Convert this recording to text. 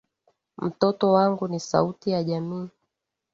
Mtoto wangu ni sauti ya jamii.